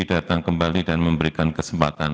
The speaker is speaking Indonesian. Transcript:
datang kembali dan memberikan kesempatan